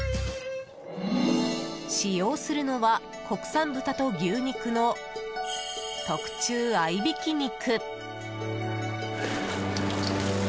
使用するのは国産豚と牛肉の特注合いびき肉。